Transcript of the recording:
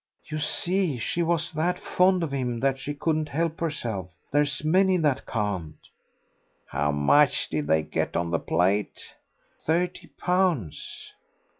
"You see, she was that fond of him that she couldn't help herself. There's many that can't." "How much did they get on the plate?" "Thirty pounds."